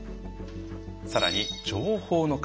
更に情報の壁。